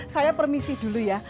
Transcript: saya permisi dulu ya